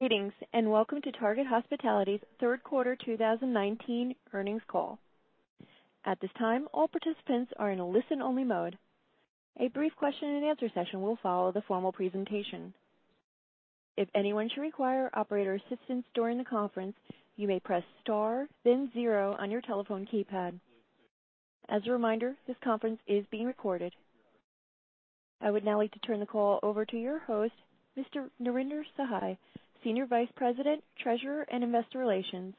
Greetings, and welcome to Target Hospitality's third quarter 2019 earnings call. At this time, all participants are in a listen-only mode. A brief question and answer session will follow the formal presentation. If anyone should require operator assistance during the conference, you may press star then zero on your telephone keypad. As a reminder, this conference is being recorded. I would now like to turn the call over to your host, Mr. Narinder Sahai, Senior Vice President, Treasurer, and Investor Relations.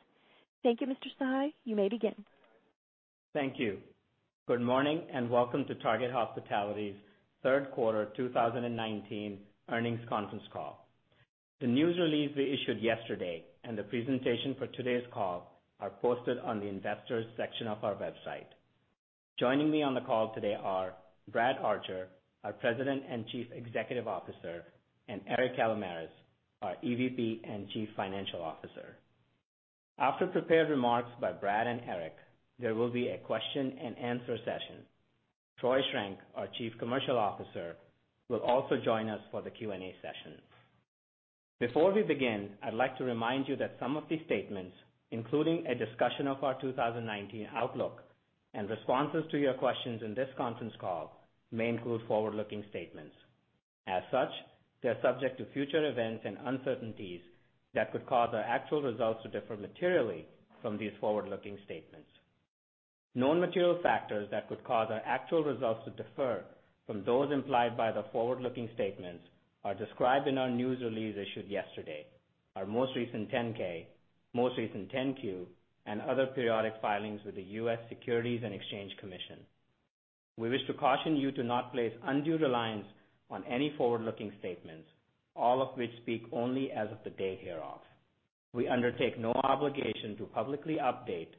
Thank you, Mr. Sahai. You may begin. Thank you. Good morning and welcome to Target Hospitality's third quarter 2019 earnings conference call. The news release we issued yesterday and the presentation for today's call are posted on the investors section of our website. Joining me on the call today are Brad Archer, our President and Chief Executive Officer, and Eric Kalamaras, our EVP and Chief Financial Officer. After prepared remarks by Brad and Eric, there will be a question and answer session. Troy Schrenk, our Chief Commercial Officer, will also join us for the Q&A session. Before we begin, I'd like to remind you that some of the statements, including a discussion of our 2019 outlook and responses to your questions in this conference call, may include forward-looking statements. As such, they're subject to future events and uncertainties that could cause our actual results to differ materially from these forward-looking statements. Known material factors that could cause our actual results to differ from those implied by the forward-looking statements are described in our news release issued yesterday, our most recent 10-K, most recent 10-Q, and other periodic filings with the U.S. Securities and Exchange Commission. We wish to caution you to not place undue reliance on any forward-looking statements, all of which speak only as of the date hereof. We undertake no obligation to publicly update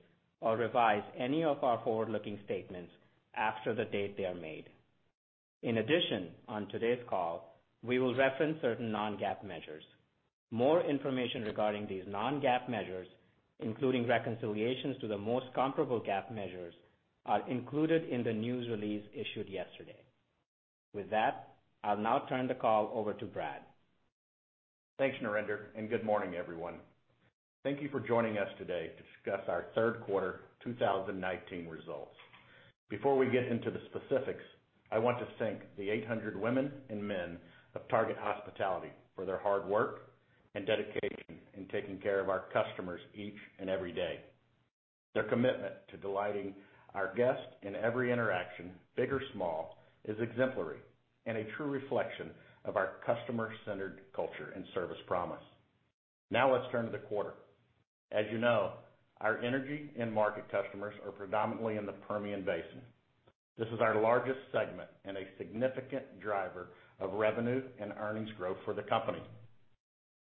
or revise any of our forward-looking statements after the date they are made. In addition, on today's call, we will reference certain non-GAAP measures. More information regarding these non-GAAP measures, including reconciliations to the most comparable GAAP measures, are included in the news release issued yesterday. With that, I'll now turn the call over to Brad. Thanks, Narinder, and good morning, everyone. Thank you for joining us today to discuss our third quarter 2019 results. Before we get into the specifics, I want to thank the 800 women and men of Target Hospitality for their hard work and dedication in taking care of our customers each and every day. Their commitment to delighting our guests in every interaction, big or small, is exemplary and a true reflection of our customer-centered culture and service promise. Now let's turn to the quarter. As you know, our energy and market customers are predominantly in the Permian Basin. This is our largest segment and a significant driver of revenue and earnings growth for the company.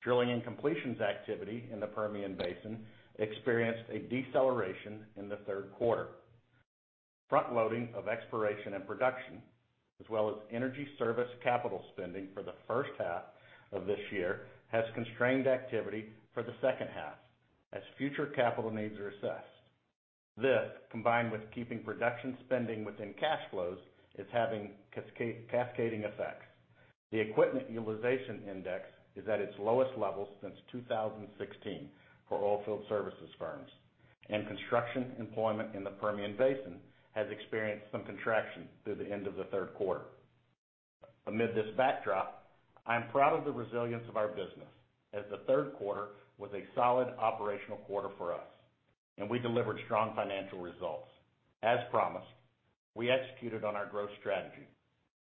Drilling and completions activity in the Permian Basin experienced a deceleration in the third quarter. Front-loading of exploration and production, as well as energy service capital spending for the first half of this year, has constrained activity for the second half as future capital needs are assessed. This, combined with keeping production spending within cash flows, is having cascading effects. The equipment utilization index is at its lowest level since 2016 for oilfield services firms, and construction employment in the Permian Basin has experienced some contraction through the end of the third quarter. Amid this backdrop, I am proud of the resilience of our business, as the third quarter was a solid operational quarter for us, and we delivered strong financial results. As promised, we executed on our growth strategy,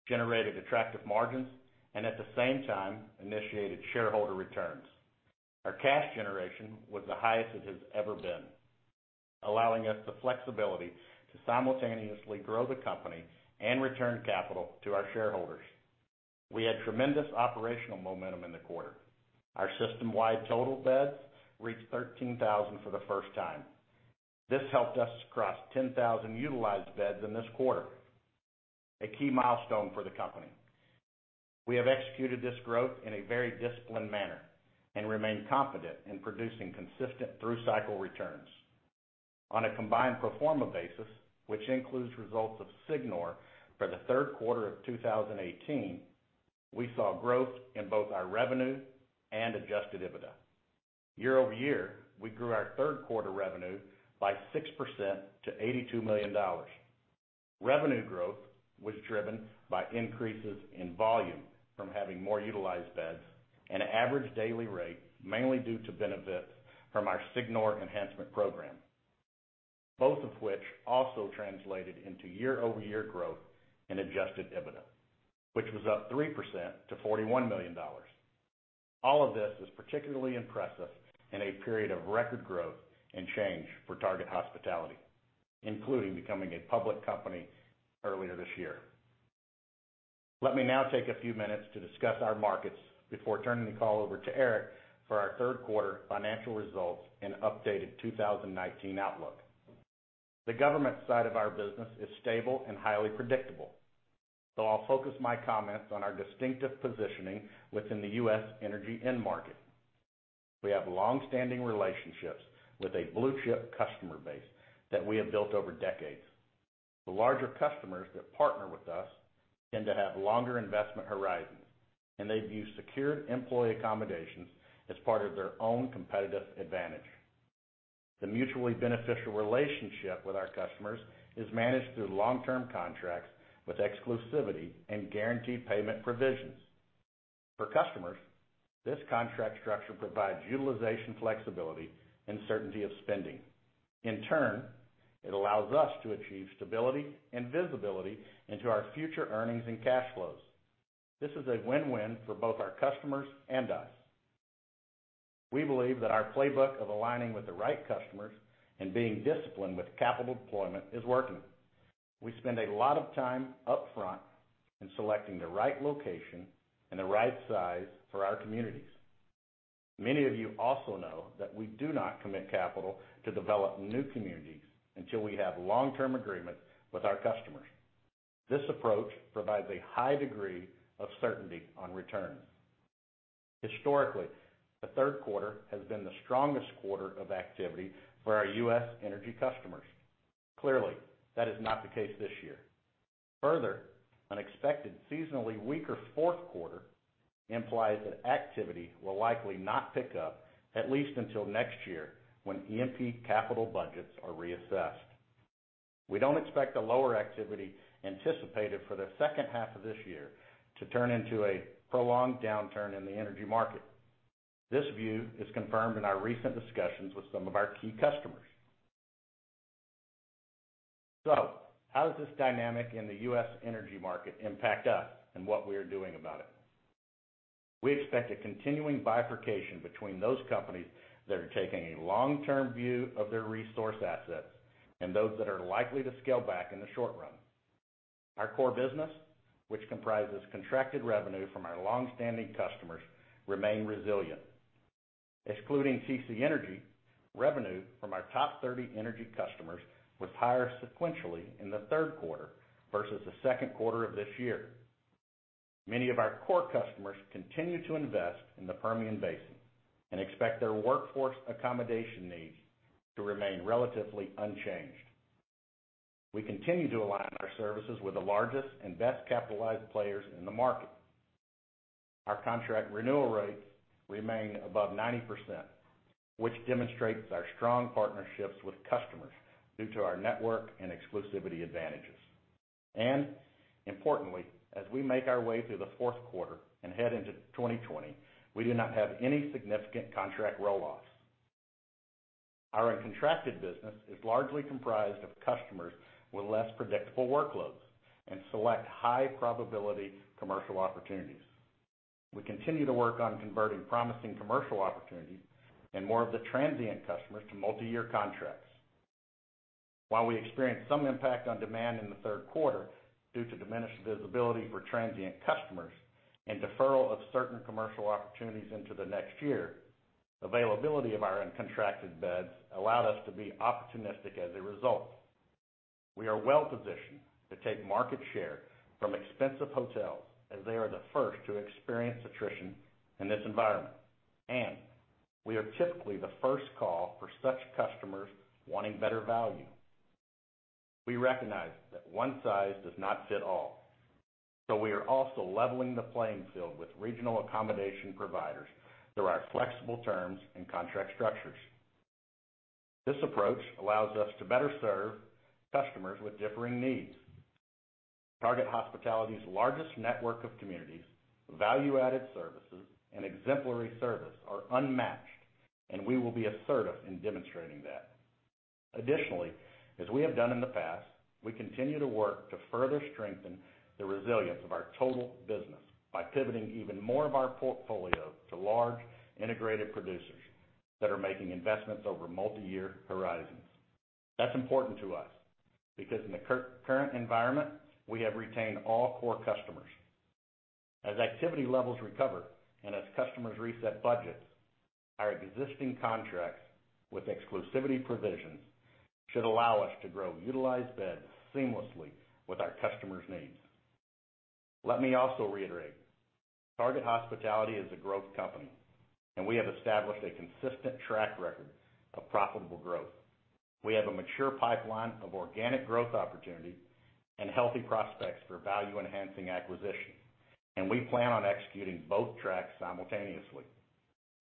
generated attractive margins, and at the same time, initiated shareholder returns. Our cash generation was the highest it has ever been, allowing us the flexibility to simultaneously grow the company and return capital to our shareholders. We had tremendous operational momentum in the quarter. Our system-wide total beds reached 13,000 for the first time. This helped us cross 10,000 utilized beds in this quarter, a key milestone for the company. We have executed this growth in a very disciplined manner and remain confident in producing consistent through-cycle returns. On a combined pro forma basis, which includes results of Signor for the third quarter of 2018, we saw growth in both our revenue and adjusted EBITDA. Year-over-year, we grew our third quarter revenue by 6% to $82 million. Revenue growth was driven by increases in volume from having more utilized beds and an average daily rate, mainly due to benefits from our Signor Enhancement Program, both of which also translated into year-over-year growth in adjusted EBITDA, which was up 3% to $41 million. All of this is particularly impressive in a period of record growth and change for Target Hospitality, including becoming a public company earlier this year. Let me now take a few minutes to discuss our markets before turning the call over to Eric for our third quarter financial results and updated 2019 outlook. I'll focus my comments on our distinctive positioning within the U.S. energy end market. We have longstanding relationships with a blue-chip customer base that we have built over decades. The larger customers that partner with us tend to have longer investment horizons, and they view secured employee accommodations as part of their own competitive advantage. The mutually beneficial relationship with our customers is managed through long-term contracts with exclusivity and guaranteed payment provisions. For customers, this contract structure provides utilization flexibility and certainty of spending. In turn, it allows us to achieve stability and visibility into our future earnings and cash flows. This is a win-win for both our customers and us. We believe that our playbook of aligning with the right customers and being disciplined with capital deployment is working. We spend a lot of time upfront in selecting the right location and the right size for our communities. Many of you also know that we do not commit capital to develop new communities until we have long-term agreements with our customers. This approach provides a high degree of certainty on returns. Historically, the third quarter has been the strongest quarter of activity for our U.S. energy customers. Clearly, that is not the case this year. Unexpected seasonally weaker fourth quarter implies that activity will likely not pick up at least until next year, when E&P capital budgets are reassessed. We don't expect the lower activity anticipated for the second half of this year to turn into a prolonged downturn in the energy market. This view is confirmed in our recent discussions with some of our key customers. How does this dynamic in the U.S. energy market impact us and what we are doing about it? We expect a continuing bifurcation between those companies that are taking a long-term view of their resource assets and those that are likely to scale back in the short run. Our core business, which comprises contracted revenue from our longstanding customers, remain resilient. Excluding CC Energy, revenue from our top 30 energy customers was higher sequentially in the third quarter versus the second quarter of this year. Many of our core customers continue to invest in the Permian Basin and expect their workforce accommodation needs to remain relatively unchanged. We continue to align our services with the largest and best-capitalized players in the market. Our contract renewal rates remain above 90%, which demonstrates our strong partnerships with customers due to our network and exclusivity advantages. Importantly, as we make our way through the fourth quarter and head into 2020, we do not have any significant contract roll-offs. Our uncontracted business is largely comprised of customers with less predictable workloads and select high-probability commercial opportunities. We continue to work on converting promising commercial opportunities and more of the transient customers to multiyear contracts. While we experienced some impact on demand in the third quarter due to diminished visibility for transient customers and deferral of certain commercial opportunities into the next year, availability of our uncontracted beds allowed us to be opportunistic as a result. We are well positioned to take market share from expensive hotels as they are the first to experience attrition in this environment, and we are typically the first call for such customers wanting better value. We recognize that one size does not fit all, so we are also leveling the playing field with regional accommodation providers through our flexible terms and contract structures. This approach allows us to better serve customers with differing needs. Target Hospitality's largest network of communities, value-added services, and exemplary service are unmatched. We will be assertive in demonstrating that. Additionally, as we have done in the past, we continue to work to further strengthen the resilience of our total business by pivoting even more of our portfolio to large integrated producers that are making investments over multiyear horizons. That's important to us because in the current environment, we have retained all core customers. As activity levels recover and as customers reset budgets, our existing contracts with exclusivity provisions should allow us to grow utilized beds seamlessly with our customers' needs. Let me also reiterate, Target Hospitality is a growth company. We have established a consistent track record of profitable growth. We have a mature pipeline of organic growth opportunities and healthy prospects for value-enhancing acquisitions. We plan on executing both tracks simultaneously.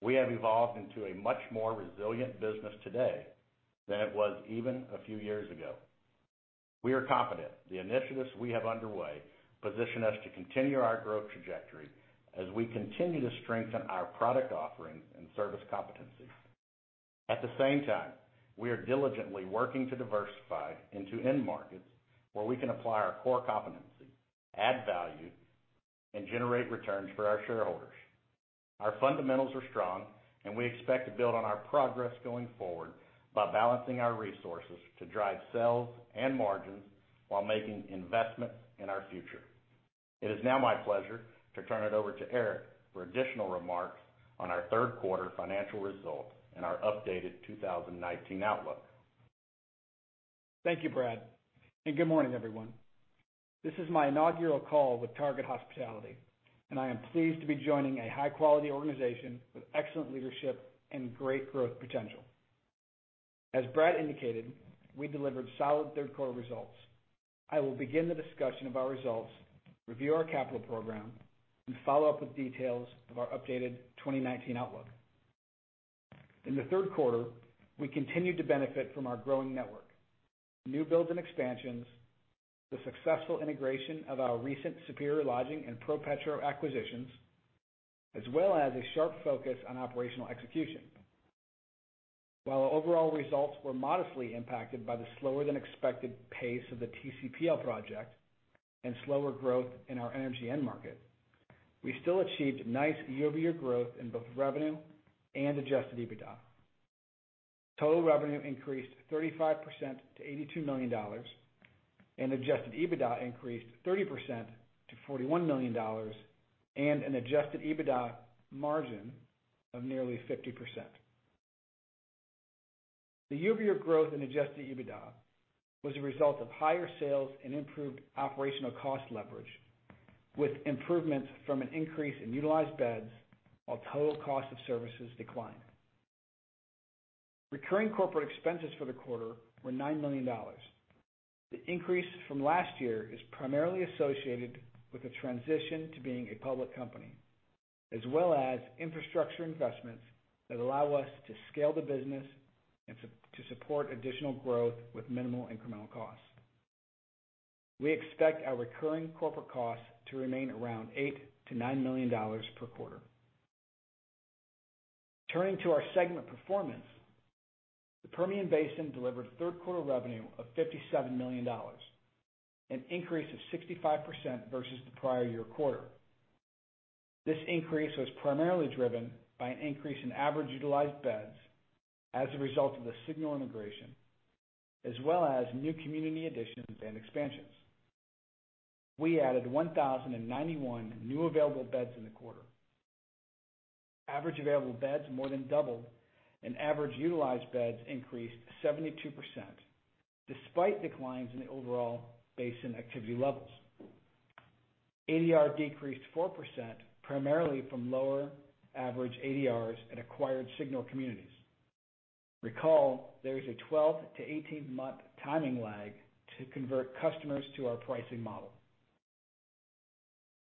We have evolved into a much more resilient business today than it was even a few years ago. We are confident the initiatives we have underway position us to continue our growth trajectory as we continue to strengthen our product offerings and service competencies. At the same time, we are diligently working to diversify into end markets where we can apply our core competencies, add value, and generate returns for our shareholders. Our fundamentals are strong, and we expect to build on our progress going forward by balancing our resources to drive sales and margins while making investments in our future. It is now my pleasure to turn it over to Eric for additional remarks on our third quarter financial results and our updated 2019 outlook. Thank you, Brad, and good morning, everyone. This is my inaugural call with Target Hospitality, and I am pleased to be joining a high-quality organization with excellent leadership and great growth potential. As Brad indicated, we delivered solid third quarter results. I will begin the discussion of our results, review our capital program, and follow up with details of our updated 2019 outlook. In the third quarter, we continued to benefit from our growing network, new builds and expansions, the successful integration of our recent Superior Lodging and ProPetro acquisitions, as well as a sharp focus on operational execution. While overall results were modestly impacted by the slower than expected pace of the TCPL project and slower growth in our energy end market, we still achieved nice year-over-year growth in both revenue and adjusted EBITDA. Total revenue increased 35% to $82 million, and adjusted EBITDA increased 30% to $41 million, and an adjusted EBITDA margin of nearly 50%. The year-over-year growth in adjusted EBITDA was a result of higher sales and improved operational cost leverage, with improvements from an increase in utilized beds while total cost of services declined. Recurring corporate expenses for the quarter were $9 million. The increase from last year is primarily associated with the transition to being a public company, as well as infrastructure investments that allow us to scale the business and to support additional growth with minimal incremental cost. We expect our recurring corporate costs to remain around $8 million-$9 million per quarter. Turning to our segment performance, the Permian Basin delivered third quarter revenue of $57 million, an increase of 65% versus the prior year quarter. This increase was primarily driven by an increase in average utilized beds as a result of the Signor integration, as well as new community additions and expansions. We added 1,091 new available beds in the quarter. Average available beds more than doubled, and average utilized beds increased 72%, despite declines in the overall basin activity levels. ADR decreased 4%, primarily from lower average ADRs at acquired Signor communities. Recall, there is a 12- to 18-month timing lag to convert customers to our pricing model.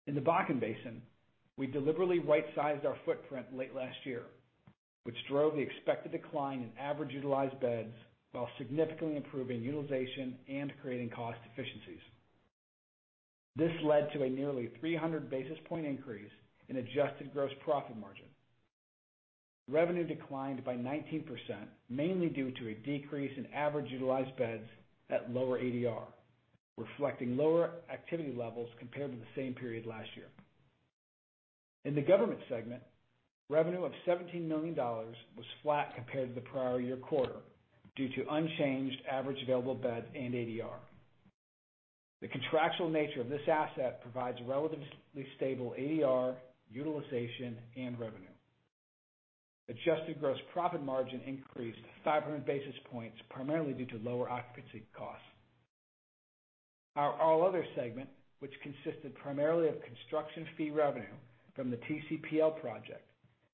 In the Bakken Basin, we deliberately right-sized our footprint late last year, which drove the expected decline in average utilized beds while significantly improving utilization and creating cost efficiencies. This led to a nearly 300 basis point increase in adjusted gross profit margin. Revenue declined by 19%, mainly due to a decrease in average utilized beds at lower ADR, reflecting lower activity levels compared to the same period last year. In the government segment, revenue of $17 million was flat compared to the prior year quarter due to unchanged average available beds and ADR. The contractual nature of this asset provides relatively stable ADR, utilization, and revenue. Adjusted gross profit margin increased 500 basis points, primarily due to lower occupancy costs. Our all other segment, which consisted primarily of construction fee revenue from the TCPL project,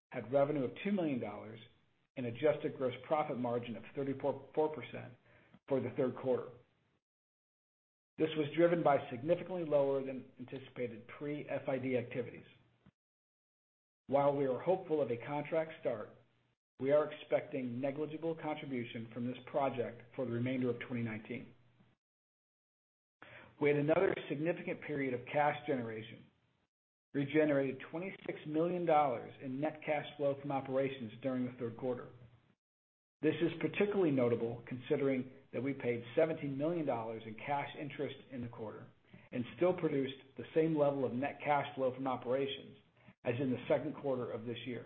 had revenue of $2 million and adjusted gross profit margin of 34% for the third quarter. This was driven by significantly lower than anticipated pre-FID activities. While we are hopeful of a contract start, we are expecting negligible contribution from this project for the remainder of 2019. We had another significant period of cash generation. We generated $26 million in net cash flow from operations during the third quarter. This is particularly notable considering that we paid $17 million in cash interest in the quarter and still produced the same level of net cash flow from operations as in the second quarter of this year.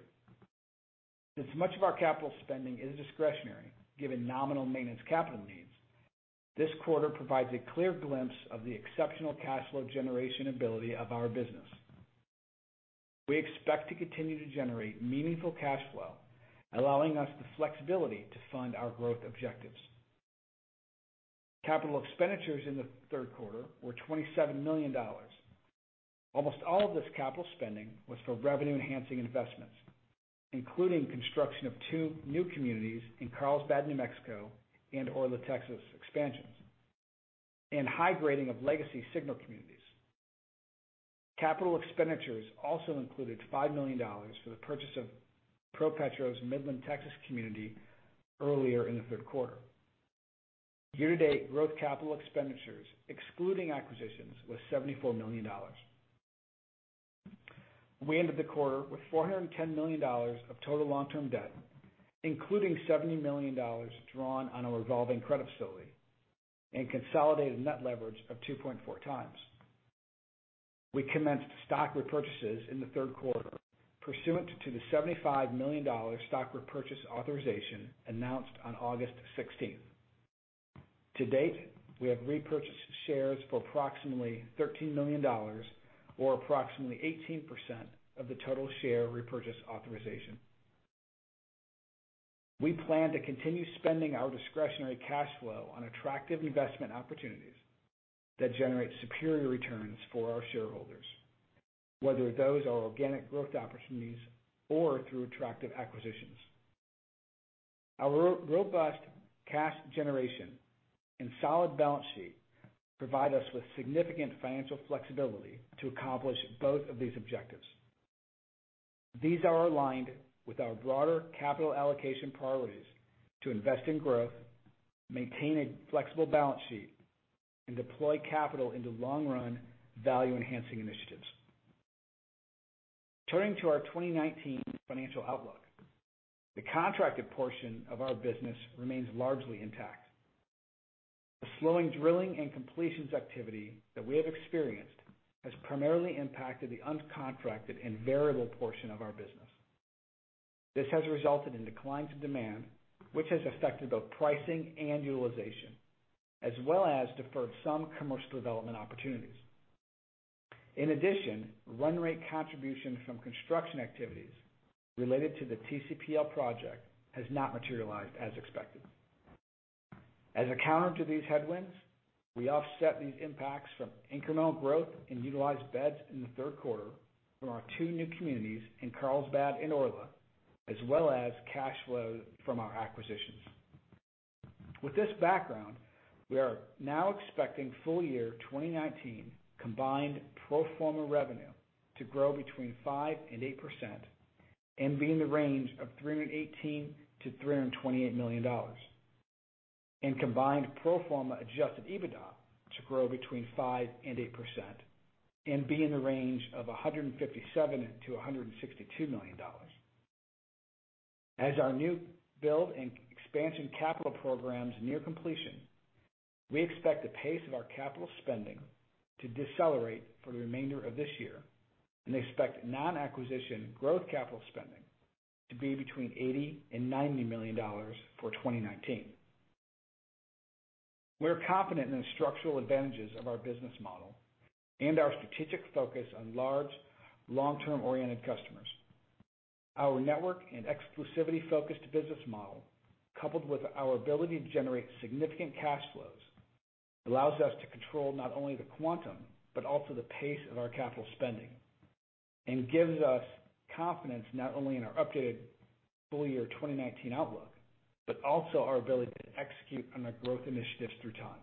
Since much of our capital spending is discretionary, given nominal maintenance capital needs, this quarter provides a clear glimpse of the exceptional cash flow generation ability of our business. We expect to continue to generate meaningful cash flow, allowing us the flexibility to fund our growth objectives. Capital expenditures in the third quarter were $27 million. Almost all of this capital spending was for revenue-enhancing investments, including construction of two new communities in Carlsbad, New Mexico, and Orla, Texas expansions, and high grading of legacy Signor communities. Capital expenditures also included $5 million for the purchase of ProPetro's Midland, Texas community earlier in the third quarter. Year-to-date growth capital expenditures, excluding acquisitions, was $74 million. We ended the quarter with $410 million of total long-term debt, including $70 million drawn on a revolving credit facility and consolidated net leverage of 2.4 times. We commenced stock repurchases in the third quarter, pursuant to the $75 million stock repurchase authorization announced on August 16th. To date, we have repurchased shares for approximately $13 million, or approximately 18% of the total share repurchase authorization. We plan to continue spending our discretionary cash flow on attractive investment opportunities that generate superior returns for our shareholders, whether those are organic growth opportunities or through attractive acquisitions. Our robust cash generation and solid balance sheet provide us with significant financial flexibility to accomplish both of these objectives. These are aligned with our broader capital allocation priorities to invest in growth, maintain a flexible balance sheet, and deploy capital into long run value enhancing initiatives. Turning to our 2019 financial outlook. The contracted portion of our business remains largely intact. The slowing drilling and completions activity that we have experienced has primarily impacted the uncontracted and variable portion of our business. This has resulted in declines in demand, which has affected both pricing and utilization, as well as deferred some commercial development opportunities. In addition, run rate contribution from construction activities related to the TCPL project has not materialized as expected. As a counter to these headwinds, we offset these impacts from incremental growth in utilized beds in the third quarter from our two new communities in Carlsbad and Orla, as well as cash flow from our acquisitions. With this background, we are now expecting full year 2019 combined pro forma revenue to grow between 5% and 8% and be in the range of $318 million-$328 million. Combined pro forma adjusted EBITDA to grow between 5% and 8% and be in the range of $157 million-$162 million. As our new build and expansion capital programs near completion, we expect the pace of our capital spending to decelerate for the remainder of this year and expect non-acquisition growth capital spending to be between $80 million and $90 million for 2019. We're confident in the structural advantages of our business model and our strategic focus on large, long-term oriented customers. Our network and exclusivity focused business model, coupled with our ability to generate significant cash flows, allows us to control not only the quantum, but also the pace of our capital spending. Gives us confidence not only in our updated full year 2019 outlook, but also our ability to execute on our growth initiatives through time.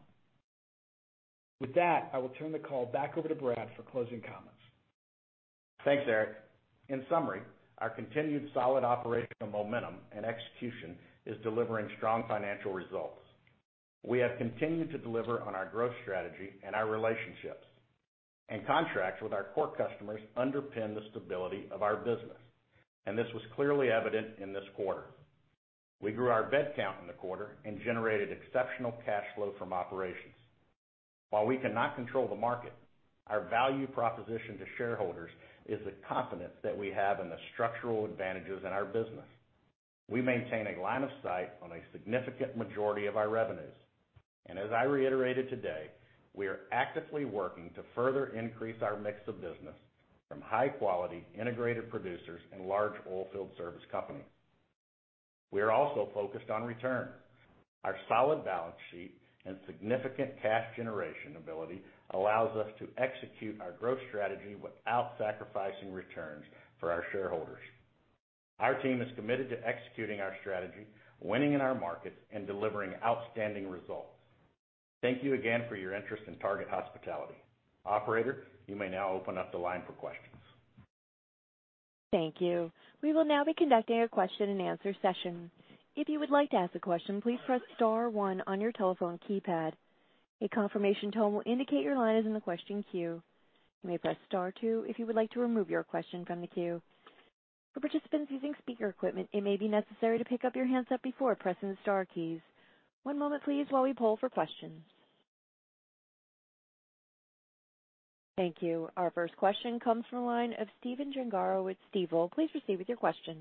With that, I will turn the call back over to Brad for closing comments. Thanks, Eric. In summary, our continued solid operational momentum and execution is delivering strong financial results. We have continued to deliver on our growth strategy and our relationships. Contracts with our core customers underpin the stability of our business. This was clearly evident in this quarter. We grew our bed count in the quarter and generated exceptional cash flow from operations. While we cannot control the market, our value proposition to shareholders is the confidence that we have in the structural advantages in our business. We maintain a line of sight on a significant majority of our revenues. As I reiterated today, we are actively working to further increase our mix of business from high quality integrated producers and large oil field service companies. We are also focused on return. Our solid balance sheet and significant cash generation ability allows us to execute our growth strategy without sacrificing returns for our shareholders. Our team is committed to executing our strategy, winning in our markets, and delivering outstanding results. Thank you again for your interest in Target Hospitality. Operator, you may now open up the line for questions. Thank you. We will now be conducting a question and answer session. If you would like to ask a question, please press star one on your telephone keypad. A confirmation tone will indicate your line is in the question queue. You may press star two if you would like to remove your question from the queue. For participants using speaker equipment, it may be necessary to pick up your handset before pressing the star keys. One moment, please, while we poll for questions. Thank you. Our first question comes from the line of Stephen Gengaro with Stifel. Please proceed with your question.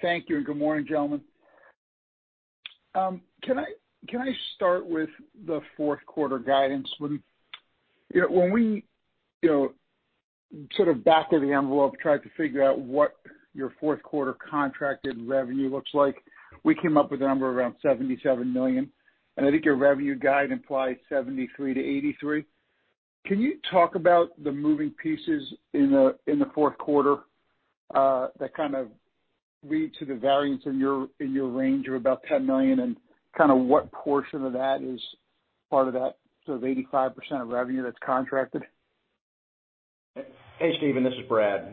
Thank you, and good morning, gentlemen. Can I start with the fourth quarter guidance? When we sort of back of the envelope tried to figure out what your fourth quarter contracted revenue looks like, we came up with a number around $77 million, and I think your revenue guide implies $73-$83. Can you talk about the moving pieces in the fourth quarter that kind of lead to the variance in your range of about $10 million and kind of what portion of that is part of that sort of 85% of revenue that's contracted? Hey, Stephen, this is Brad.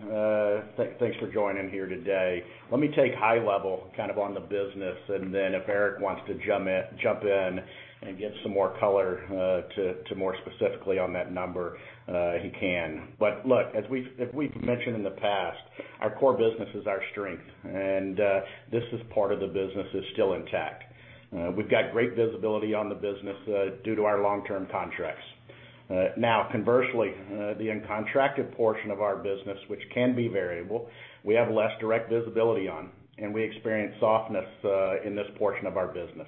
Thanks for joining here today. Let me take high level kind of on the business, and then if Eric wants to jump in and give some more color to more specifically on that number, he can. Look, as we've mentioned in the past, our core business is our strength, and this is part of the business that's still intact. We've got great visibility on the business due to our long-term contracts. Conversely, the uncontracted portion of our business, which can be variable, we have less direct visibility on, and we experience softness in this portion of our business,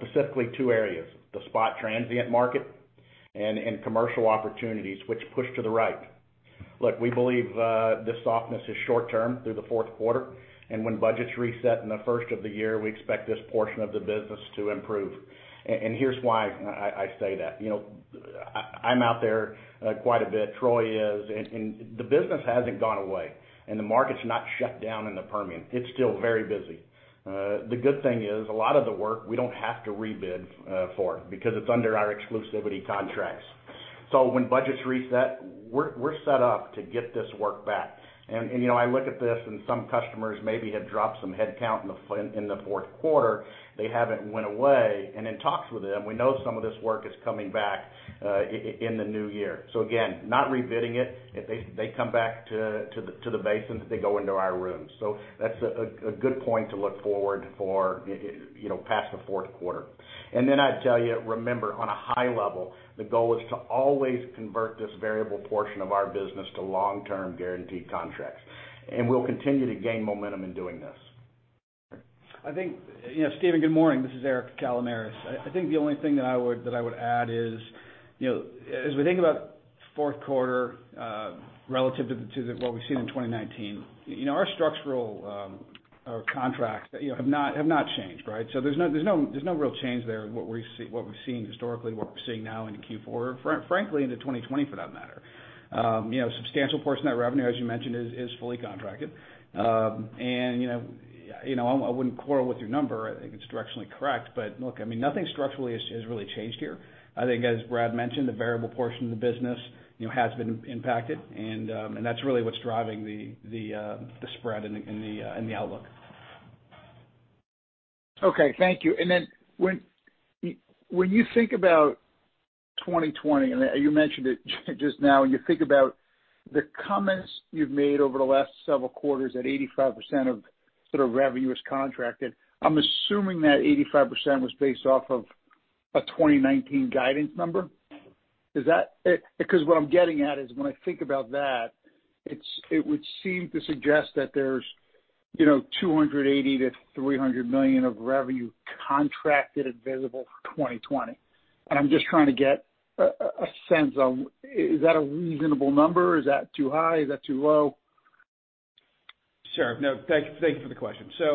specifically two areas, the spot transient market. Commercial opportunities which push to the right. Look, we believe this softness is short-term through the fourth quarter, and when budgets reset in the first of the year, we expect this portion of the business to improve. Here's why I say that. I'm out there quite a bit, Troy is, and the business hasn't gone away, and the market's not shut down in the Permian. It's still very busy. The good thing is, a lot of the work we don't have to rebid for because it's under our exclusivity contracts. When budgets reset, we're set up to get this work back. I look at this and some customers maybe have dropped some headcount in the fourth quarter. They haven't went away, and in talks with them, we know some of this work is coming back in the new year. Again, not rebidding it. If they come back to the basin, they go into our rooms. That's a good point to look forward for past the fourth quarter. I'd tell you, remember, on a high level, the goal is to always convert this variable portion of our business to long-term guaranteed contracts, and we'll continue to gain momentum in doing this. Stephen, good morning. This is Eric Kalamaras. I think the only thing that I would add is, as we think about fourth quarter relative to what we've seen in 2019, our structural contracts have not changed, right? There's no real change there in what we've seen historically and what we're seeing now into Q4, frankly into 2020 for that matter. A substantial portion of that revenue, as you mentioned, is fully contracted. I wouldn't quarrel with your number. I think it's directionally correct. Look, nothing structurally has really changed here. I think as Brad mentioned, the variable portion of the business has been impacted, and that's really what's driving the spread and the outlook. Okay, thank you. When you think about 2020, and you mentioned it just now, and you think about the comments you've made over the last several quarters that 85% of sort of revenue is contracted, I'm assuming that 85% was based off of a 2019 guidance number. What I'm getting at is when I think about that, it would seem to suggest that there's $280 million-$300 million of revenue contracted and visible for 2020. I'm just trying to get a sense of, is that a reasonable number? Is that too high? Is that too low? Sure. No, thank you for the question. I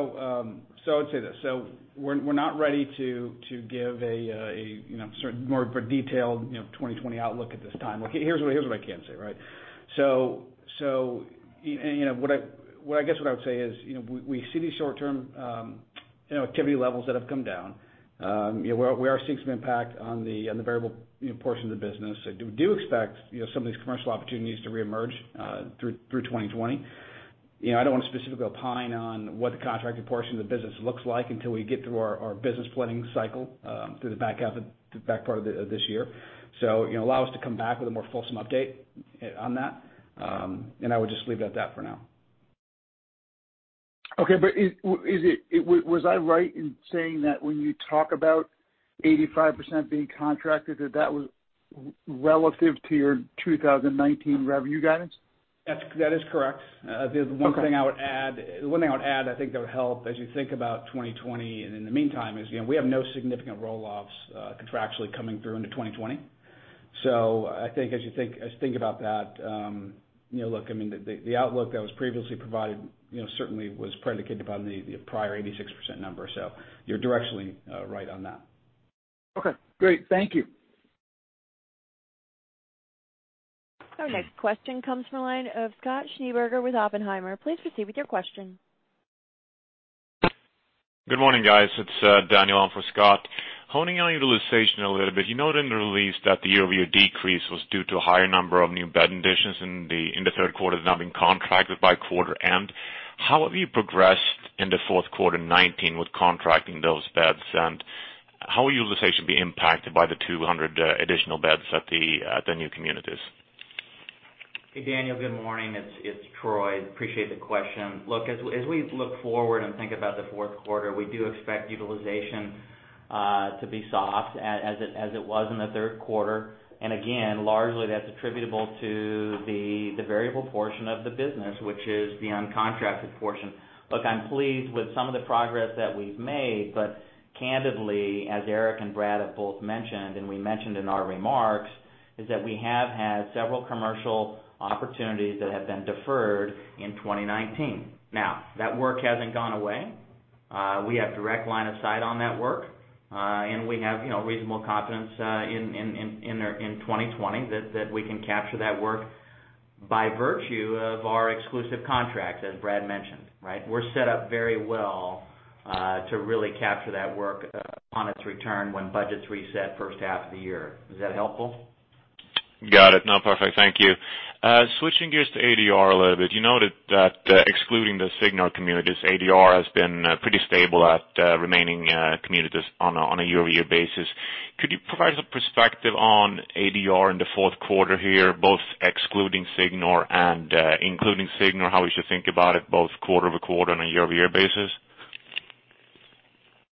would say this. We're not ready to give a more detailed 2020 outlook at this time. Here's what I can say, right? I guess what I would say is, we see these short-term activity levels that have come down. We are seeing some impact on the variable portion of the business. We do expect some of these commercial opportunities to reemerge through 2020. I don't want to specifically opine on what the contracted portion of the business looks like until we get through our business planning cycle through the back part of this year. Allow us to come back with a more fulsome update on that, and I would just leave it at that for now. Okay, was I right in saying that when you talk about 85% being contracted, that that was relative to your 2019 revenue guidance? That is correct. Okay. The one thing I would add, I think that would help as you think about 2020 and in the meantime is, we have no significant roll-offs contractually coming through into 2020. I think as you think about that, look, the outlook that was previously provided certainly was predicated upon the prior 86% number. You're directionally right on that. Okay, great. Thank you. Our next question comes from the line of Scott Schneeberger with Oppenheimer. Please proceed with your question. Good morning, guys. It's Daniel on for Scott. Honing on utilization a little bit, you noted in the release that the year-over-year decrease was due to a higher number of new bed additions in the third quarter not being contracted by quarter end. How have you progressed in the fourth quarter 2019 with contracting those beds, and how will utilization be impacted by the 200 additional beds at the new communities? Hey, Daniel, good morning. It's Troy. Appreciate the question. As we look forward and think about the fourth quarter, we do expect utilization to be soft as it was in the third quarter. Largely that's attributable to the variable portion of the business, which is the uncontracted portion. I'm pleased with some of the progress that we've made, but candidly, as Eric and Brad have both mentioned, and we mentioned in our remarks, is that we have had several commercial opportunities that have been deferred in 2019. That work hasn't gone away. We have direct line of sight on that work. We have reasonable confidence in 2020 that we can capture that work by virtue of our exclusive contracts, as Brad mentioned, right? We're set up very well to really capture that work upon its return when budgets reset first half of the year. Is that helpful? Got it. No, perfect. Thank you. Switching gears to ADR a little bit, you noted that excluding the Signor communities, ADR has been pretty stable at remaining communities on a year-over-year basis. Could you provide us a perspective on ADR in the fourth quarter here, both excluding Signor and including Signor, how we should think about it both quarter-over-quarter and a year-over-year basis?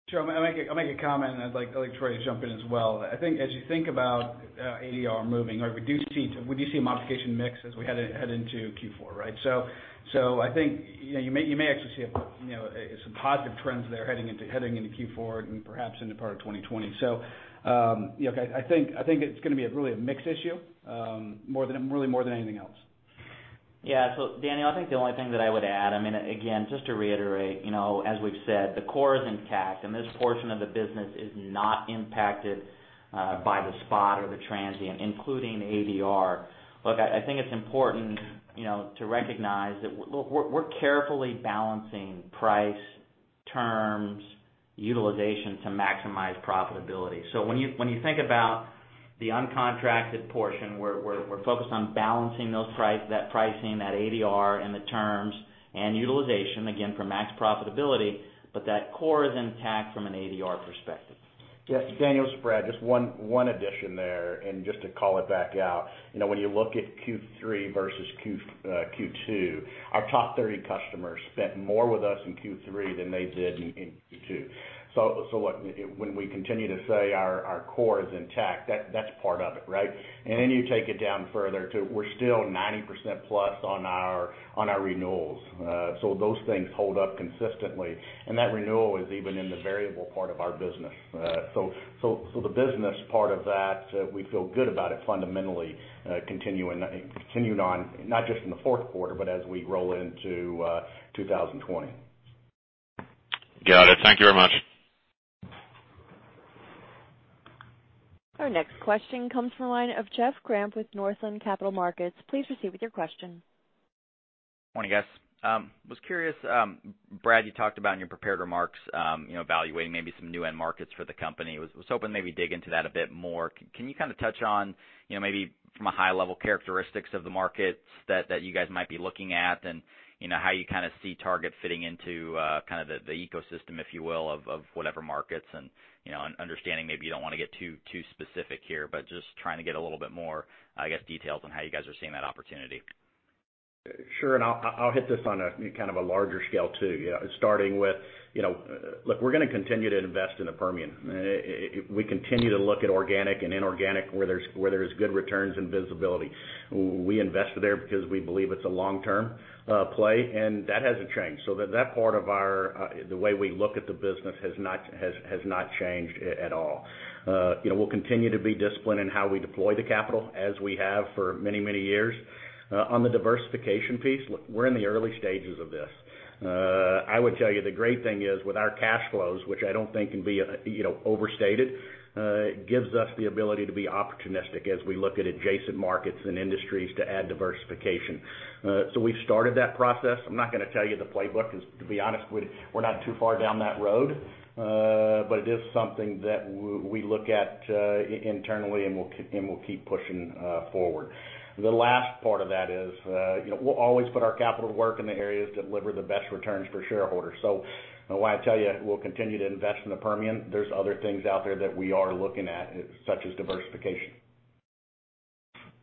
Sure. I'll make a comment, and I'd like Troy to jump in as well. I think as you think about ADR moving, we do see a modification mix as we head into Q4, right? I think you may actually see some positive trends there heading into Q4 and perhaps into part of 2020. I think it's going to be really a mix issue really more than anything else. Yeah. Daniel, I think the only thing that I would add, again, just to reiterate, as we've said, the core is intact and this portion of the business is not impacted by the spot or the transient, including ADR. Look, I think it's important to recognize that we're carefully balancing price, terms, utilization to maximize profitability. When you think about the uncontracted portion, we're focused on balancing that pricing, that ADR, and the terms and utilization, again, for max profitability, but that core is intact from an ADR perspective. Yeah. Daniel, this is Brad. Just one addition there, and just to call it back out. When you look at Q3 versus Q2, our top 30 customers spent more with us in Q3 than they did in Q2. When we continue to say our core is intact, that's part of it, right? You take it down further to we're still 90% plus on our renewals. Those things hold up consistently, and that renewal is even in the variable part of our business. The business part of that, we feel good about it fundamentally continuing on, not just in the fourth quarter, but as we roll into 2020. Got it. Thank you very much. Our next question comes from the line of Jeff Grampp with Northland Capital Markets. Please proceed with your question. Morning, guys. Was curious, Brad, you talked about in your prepared remarks evaluating maybe some new end markets for the company. Was hoping maybe dig into that a bit more. Can you kind of touch on maybe from a high level characteristics of the markets that you guys might be looking at and how you see Target fitting into the ecosystem, if you will, of whatever markets and understanding maybe you don't want to get too specific here. Just trying to get a little bit more, I guess, details on how you guys are seeing that opportunity. Sure, I'll hit this on a larger scale, too. Look, we're going to continue to invest in the Permian. We continue to look at organic and inorganic where there's good returns and visibility. We invested there because we believe it's a long-term play, and that hasn't changed. That part of the way we look at the business has not changed at all. We'll continue to be disciplined in how we deploy the capital, as we have for many years. On the diversification piece, look, we're in the early stages of this. I would tell you the great thing is with our cash flows, which I don't think can be overstated, gives us the ability to be opportunistic as we look at adjacent markets and industries to add diversification. We've started that process. I'm not going to tell you the playbook because to be honest, we're not too far down that road. It is something that we look at internally, and we'll keep pushing forward. The last part of that is we'll always put our capital to work in the areas that deliver the best returns for shareholders. When I tell you we'll continue to invest in the Permian, there's other things out there that we are looking at, such as diversification.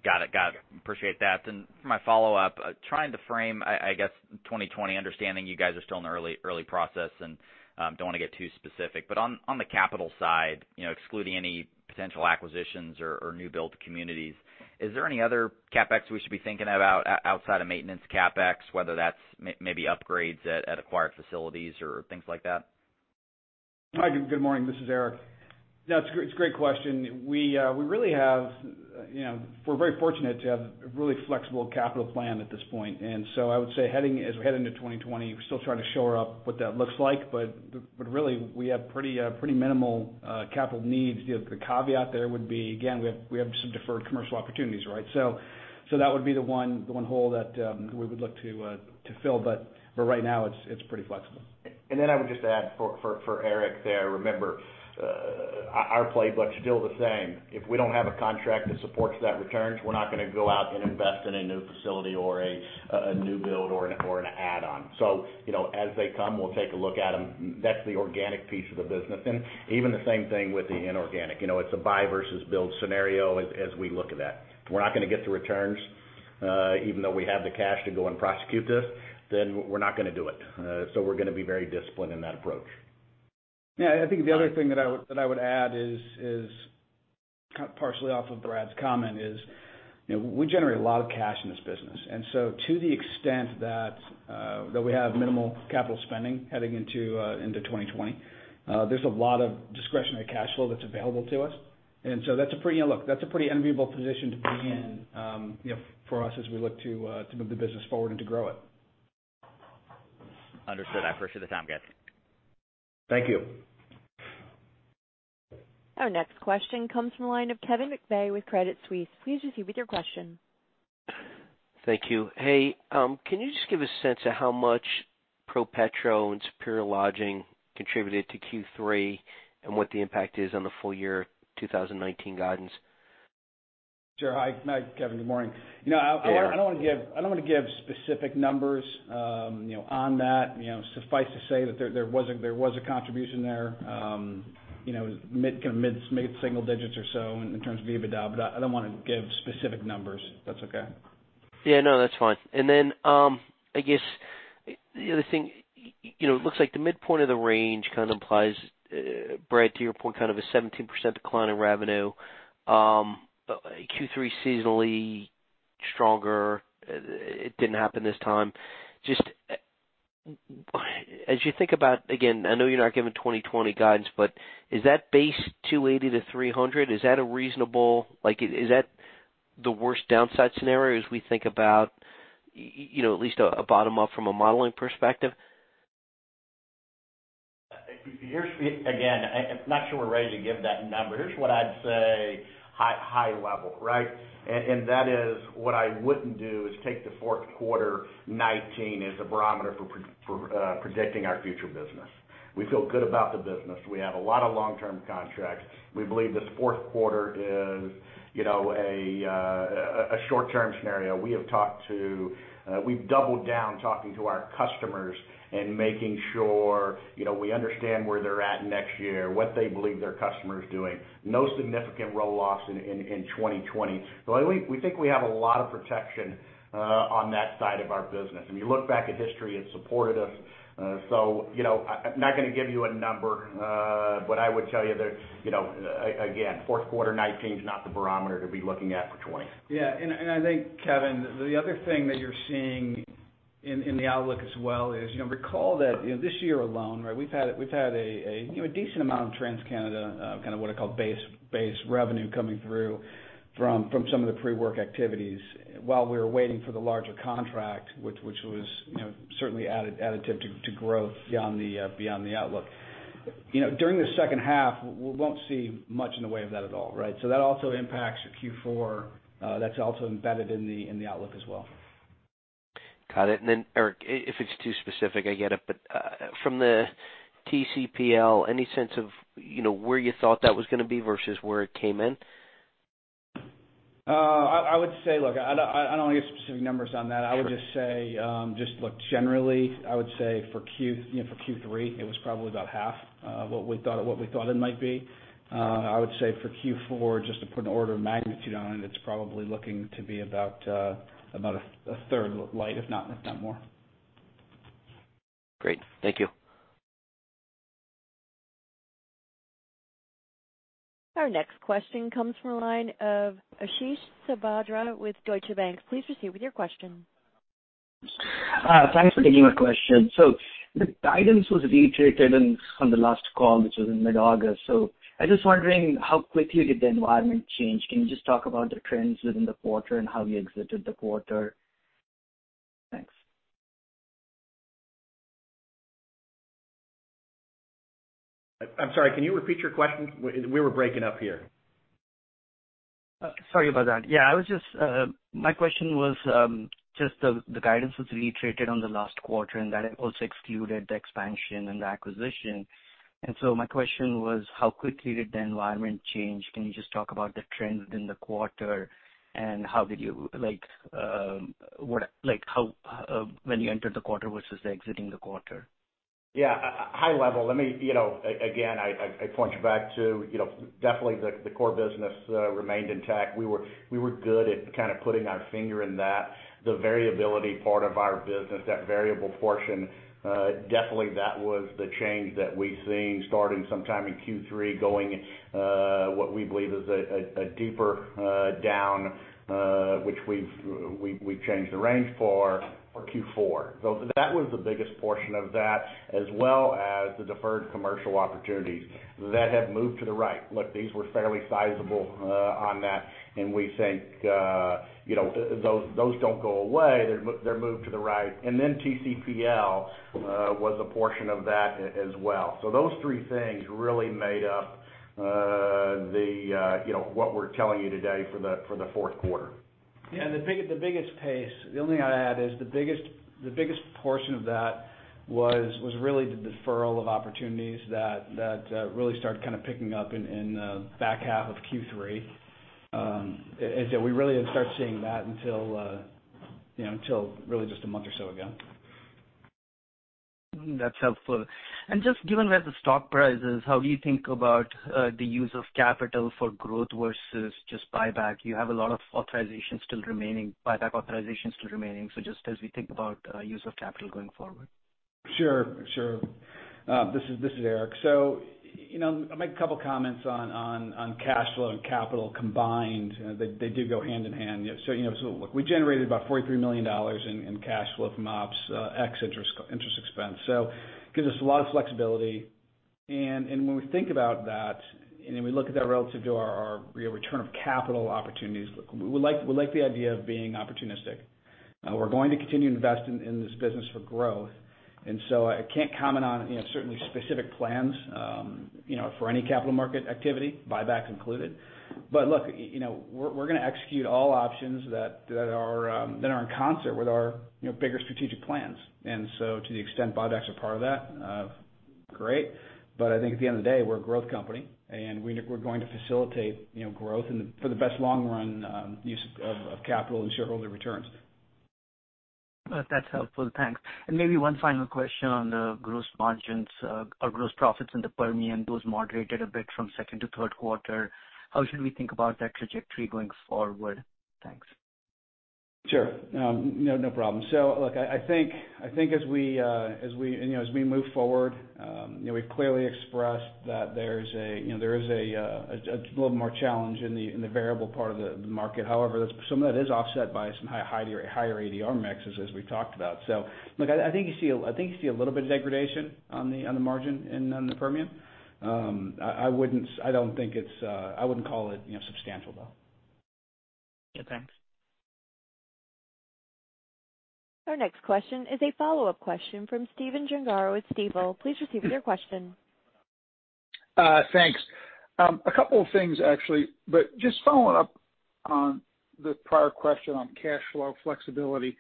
Got it. Appreciate that. For my follow-up, trying to frame, I guess 2020, understanding you guys are still in the early process and don't want to get too specific, but on the capital side, excluding any potential acquisitions or new build communities, is there any other CapEx we should be thinking about outside of maintenance CapEx, whether that's maybe upgrades at acquired facilities or things like that? [inaudible] good morning. This is Eric. No, it's a great question. We're very fortunate to have a really flexible capital plan at this point. I would say as we head into 2020, we're still trying to shore up what that looks like, but really we have pretty minimal capital needs. The caveat there would be, again, we have some deferred commercial opportunities, right? That would be the one hole that we would look to fill. For right now, it's pretty flexible. I would just add for Eric there, remember, our playbook's still the same. If we don't have a contract that supports that returns, we're not going to go out and invest in a new facility or a new build or an add-on. As they come, we'll take a look at them. That's the organic piece of the business. Even the same thing with the inorganic. It's a buy versus build scenario as we look at that. If we're not going to get the returns, even though we have the cash to go and prosecute this, then we're not going to do it. We're going to be very disciplined in that approach. Yeah, I think the other thing that I would add is kind of partially off of Brad's comment is, we generate a lot of cash in this business. To the extent that we have minimal capital spending heading into 2020, there's a lot of discretionary cash flow that's available to us. That's a pretty enviable position to be in for us as we look to move the business forward and to grow it. Understood. I appreciate the time, guys. Thank you. Our next question comes from the line of Kevin McVeigh with Credit Suisse. Please proceed with your question. Thank you. Hey, can you just give a sense of how much ProPetro and Superior Lodging contributed to Q3 and what the impact is on the full year 2019 guidance? Sure. Hi, Kevin. Good morning. Good morning. I don't want to give specific numbers on that. Suffice to say that there was a contribution there, mid-single digits or so in terms of EBITDA, but I don't want to give specific numbers, if that's okay. Yeah, no, that's fine. Then, I guess the other thing, it looks like the midpoint of the range kind of implies, Brad, to your point, kind of a 17% decline in revenue. Q3 seasonally stronger. It didn't happen this time. As you think about, again, I know you're not giving 2020 guidance, but is that base $280-$300? Is that a reasonable, is that the worst downside scenario as we think about at least a bottom up from a modeling perspective? I'm not sure we're ready to give that number. Here's what I'd say, high level, right? That is, what I wouldn't do is take the fourth quarter 2019 as a barometer for predicting our future business. We feel good about the business. We have a lot of long-term contracts. We believe this fourth quarter is a short-term scenario. We've doubled down talking to our customers and making sure we understand where they're at next year, what they believe their customer is doing. No significant roll-offs in 2020. I think we have a lot of protection on that side of our business. You look back at history, it's supported us. I'm not going to give you a number, but I would tell you that, again, fourth quarter 2019 is not the barometer to be looking at for 2020. Yeah. I think, Kevin McVeigh, the other thing that you're seeing in the outlook as well is, recall that this year alone, we've had a decent amount of TransCanada, kind of what I call base revenue coming through from some of the pre-work activities while we were waiting for the larger contract, which was certainly additive to growth beyond the outlook. During the second half, we won't see much in the way of that at all, right? That also impacts Q4. That's also embedded in the outlook as well. Got it. Then Eric, if it's too specific, I get it. From the TCPL, any sense of where you thought that was going to be versus where it came in? I would say, look, I don't give specific numbers on that. Sure. I would just say, just look, generally, I would say for Q3, it was probably about half of what we thought it might be. I would say for Q4, just to put an order of magnitude on it's probably looking to be about a third light, if not more. Great. Thank you. Our next question comes from the line of Ashish Sabadra with Deutsche Bank. Please proceed with your question. Thanks for taking my question. The guidance was reiterated on the last call, which was in mid-August. I'm just wondering how quickly did the environment change? Can you just talk about the trends within the quarter and how you exited the quarter? Thanks. I'm sorry, can you repeat your question? We were breaking up here. Sorry about that. Yeah, my question was just the guidance was reiterated on the last quarter, that also excluded the expansion and the acquisition. My question was how quickly did the environment change? Can you just talk about the trends in the quarter and how when you entered the quarter versus exiting the quarter? Yeah. High level, again, I point you back to definitely the core business remained intact. We were good at kind of putting our finger in that. The variability part of our business, that variable portion, definitely that was the change that we've seen starting sometime in Q3, going what we believe is a deeper down, which we've changed the range for Q4. That was the biggest portion of that, as well as the deferred commercial opportunities that have moved to the right. Look, these were fairly sizable on that, and we think those don't go away. They're moved to the right. TCPL was a portion of that as well. Those three things really made up what we're telling you today for the fourth quarter. The only thing I'd add is the biggest portion of that was really the deferral of opportunities that really started kind of picking up in back half of Q3, is that we really didn't start seeing that until really just a month or so ago. That's helpful. Just given where the stock price is, how do you think about the use of capital for growth versus just buyback? You have a lot of buyback authorizations still remaining, so just as we think about use of capital going forward. Sure. This is Eric. I'll make a couple comments on cash flow and capital combined. They do go hand in hand. Look, we generated about $43 million in cash flow from ops, ex-interest expense. It gives us a lot of flexibility. When we think about that and then we look at that relative to our return of capital opportunities, look, we like the idea of being opportunistic. We're going to continue to invest in this business for growth. I can't comment on certainly specific plans for any capital market activity, buyback included. Look, we're going to execute all options that are in concert with our bigger strategic plans. To the extent buybacks are part of that, great. I think at the end of the day, we're a growth company and we're going to facilitate growth for the best long run use of capital and shareholder returns. That's helpful. Thanks. Maybe one final question on the gross margins or gross profits in the Permian. Those moderated a bit from second to third quarter. How should we think about that trajectory going forward? Thanks. Sure. No problem. I think as we move forward, we've clearly expressed that there is a little more challenge in the variable part of the market. However, some of that is offset by some higher ADR mixes, as we talked about. I think you see a little bit of degradation on the margin in the Permian. I wouldn't call it substantial, though. Okay, thanks. Our next question is a follow-up question from Stephen Gengaro at Stifel. Please proceed with your question. Thanks. A couple of things, actually, but just following up on the prior question on cash flow flexibility.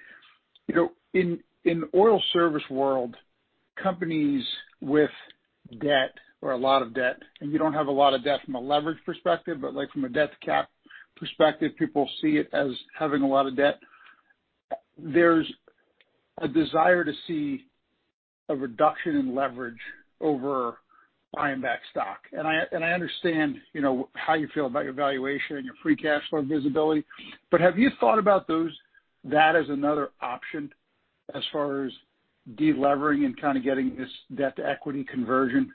In oil service world, companies with debt or a lot of debt, and you don't have a lot of debt from a leverage perspective, but from a debt cap perspective, people see it as having a lot of debt. There's a desire to see a reduction in leverage over buying back stock. I understand how you feel about your valuation and your free cash flow visibility, but have you thought about that as another option as far as de-leveraging and kind of getting this debt to equity conversion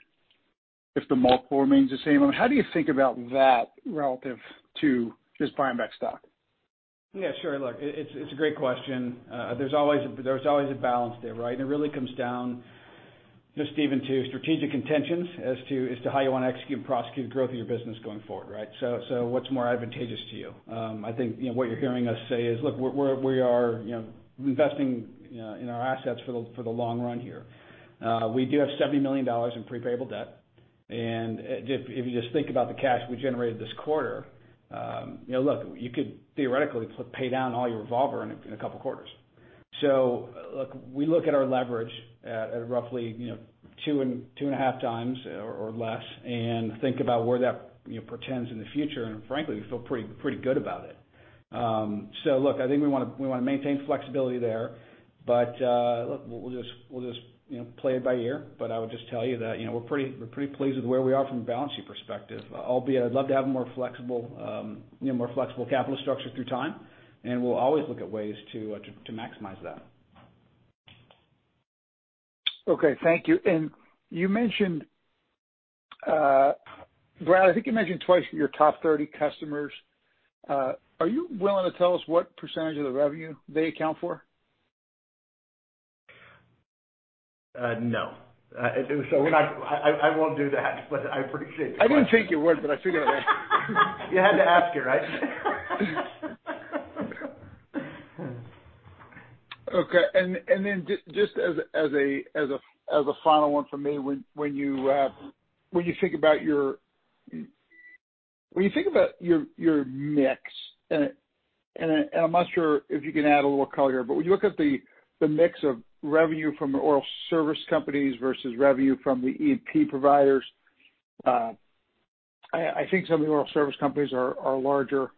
if the multiple remains the same? How do you think about that relative to just buying back stock? Yeah, sure. Look, it's a great question. There's always a balance there, right? It really comes down, just even to strategic intentions as to how you want to execute and prosecute growth of your business going forward, right? What's more advantageous to you? I think what you're hearing us say is, look, we are investing in our assets for the long run here. We do have $70 million in pre-payable debt, and if you just think about the cash we generated this quarter, look, you could theoretically pay down all your revolver in a couple of quarters. Look, we look at our leverage at roughly two and a half times or less, and think about where that portends in the future, and frankly, we feel pretty good about it. Look, I think we want to maintain flexibility there, but, look, we'll just play it by ear. I would just tell you that we're pretty pleased with where we are from a balance sheet perspective. Albeit, I'd love to have a more flexible capital structure through time, and we'll always look at ways to maximize that. Okay. Thank you. Brad, I think you mentioned twice your top 30 customers. Are you willing to tell us what % of the revenue they account for? No. I won't do that, but I appreciate the question. I didn't think you would, but I figured I'd ask. You had to ask it, right? Okay. Just as a final one from me. When you think about your mix, and I'm not sure if you can add a little color, but when you look at the mix of revenue from the oil service companies versus revenue from the E&P providers, I think some of the oil service companies are larger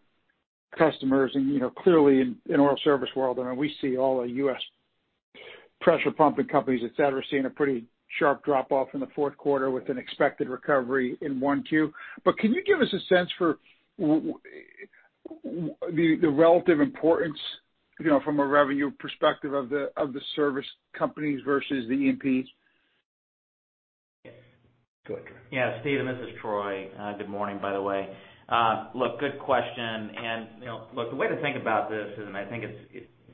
customers and clearly in oil service world, and we see all the U.S. pressure pumping companies, et cetera, seeing a pretty sharp drop-off in the fourth quarter with an expected recovery in 1Q. Can you give us a sense for the relative importance from a revenue perspective of the service companies versus the E&Ps? Go ahead, Troy. Yeah, Stephen, this is Troy. Good morning, by the way. Look, good question. Look, the way to think about this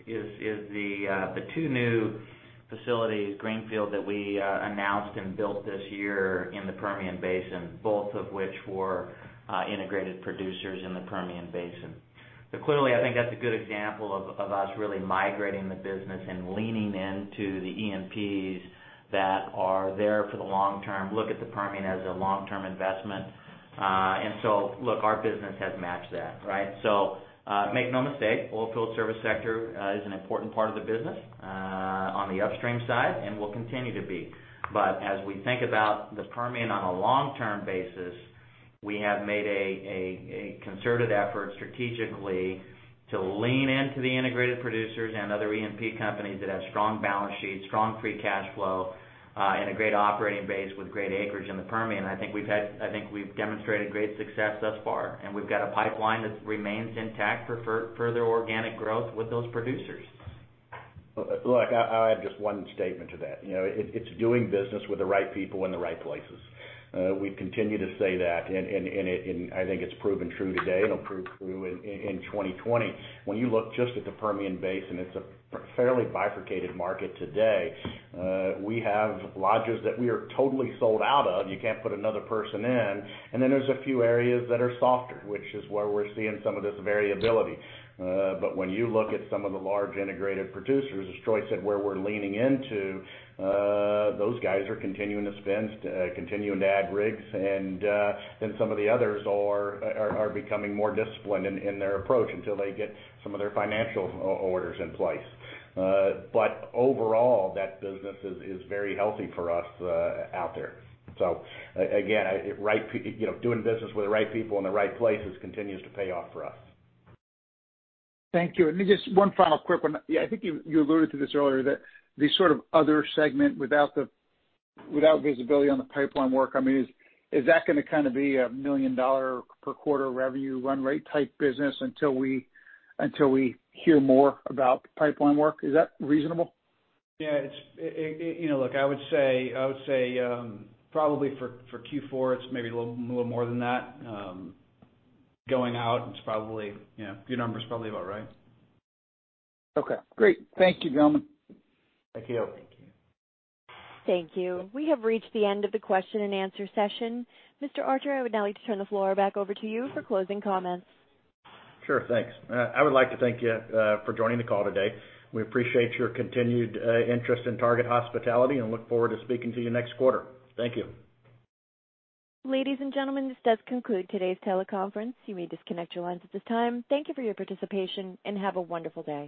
is the two new facilities, greenfield, that we announced and built this year in the Permian Basin, both of which were integrated producers in the Permian Basin. Clearly, I think that's a good example of us really migrating the business and leaning into the E&Ps that are there for the long term, look at the Permian as a long-term investment. Look, our business has matched that, right? Make no mistake, oilfield service sector is an important part of the business on the upstream side and will continue to be. As we think about the Permian on a long-term basis, we have made a concerted effort strategically to lean into the integrated producers and other E&P companies that have strong balance sheets, strong free cash flow, and a great operating base with great acreage in the Permian. I think we've demonstrated great success thus far, and we've got a pipeline that remains intact for further organic growth with those producers. Look, I'll add just one statement to that. It's doing business with the right people in the right places. We continue to say that. I think it's proven true today, and it'll prove true in 2020. When you look just at the Permian Basin, it's a fairly bifurcated market today. We have lodges that we are totally sold out of. You can't put another person in. There's a few areas that are softer, which is where we're seeing some of this variability. When you look at some of the large integrated producers, as Troy said, where we're leaning into, those guys are continuing to spend, continuing to add rigs. Some of the others are becoming more disciplined in their approach until they get some of their financial orders in place. Overall, that business is very healthy for us out there. Again, doing business with the right people in the right places continues to pay off for us. Thank you. Let me just one final quick one. I think you alluded to this earlier, that the sort of other segment without visibility on the pipeline work, is that going to kind of be a million-dollar per quarter revenue run rate type business until we hear more about pipeline work? Is that reasonable? Yeah. Look, I would say probably for Q4, it's maybe a little more than that. Going out, your number's probably about right. Okay, great. Thank you, gentlemen. Thank you. Thank you. Thank you. We have reached the end of the question and answer session. Mr. Archer, I would now like to turn the floor back over to you for closing comments. Sure. Thanks. I would like to thank you for joining the call today. We appreciate your continued interest in Target Hospitality and look forward to speaking to you next quarter. Thank you. Ladies and gentlemen, this does conclude today's teleconference. You may disconnect your lines at this time. Thank you for your participation, and have a wonderful day.